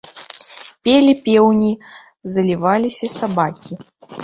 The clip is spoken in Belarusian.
Пелі пеўні, заліваліся сабакі.